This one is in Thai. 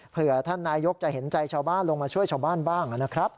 เพื่อท่านนายกจะเห็นใจชาวบ้านลงมาช่วยชาวบ้านบ้างนะครับ